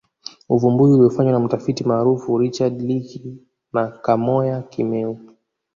Uvumbuzi uliofanywa na mtafiti maarufu Richard Leakey na Kamoya Kimeu